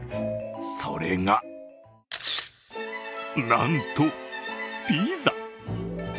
それがなんと、ピザ。